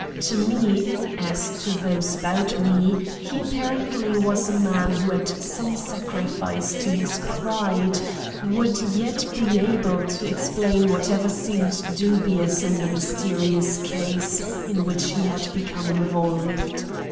To me, as to those about me, he apparently was a man who at some sacrifice to his pride, would, yet be able to explain whatever seemed dubious in the mysterious case in which he had become involved.